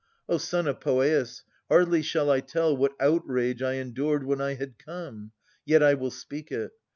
O son of Poeas, hardly shall I tell What outrage I endured when I had come; Yet I will speak it.